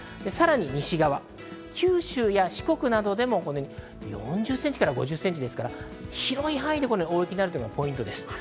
西側、九州や四国などでも４０センチから５０センチですから、広い範囲で大雪になるところがポイントです。